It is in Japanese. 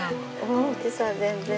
大きさ全然違う。